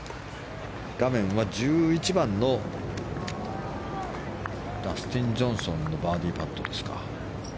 画面は１１番のダスティン・ジョンソンのバーディーパットですか。